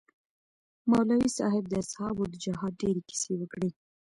مولوي صاحب د اصحابو د جهاد ډېرې كيسې وكړې.